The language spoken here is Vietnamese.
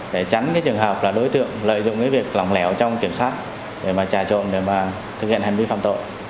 để tránh trường hợp là đối tượng lợi dụng việc lỏng lẻo trong kiểm soát trà trộn để thực hiện hành vi phạm tội